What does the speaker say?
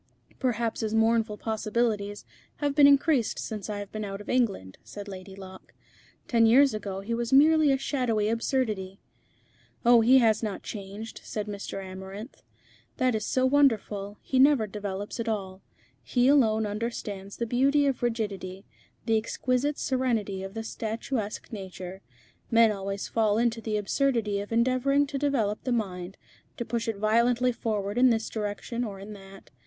'" "Perhaps his mournful possibilities have been increased since I have been out of England," said Lady Locke. "Ten years ago he was merely a shadowy absurdity." "Oh! he has not changed," said Mr. Amarinth. "That is so wonderful. He never develops at all. He alone understands the beauty of rigidity, the exquisite serenity of the statuesque nature. Men always fall into the absurdity of endeavouring to develop the mind, to push it violently forward in this direction or in that.